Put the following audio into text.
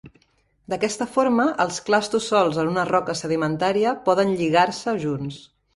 D'aquesta forma, els clastos solts en una roca sedimentària poden "lligar-se" junts.